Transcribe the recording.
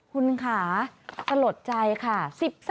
คุณค่ะสลดใจค่ะ